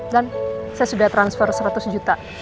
dan saya sudah transfer seratus juta